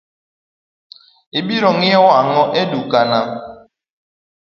Ibiro ngiew ang'o e dukana?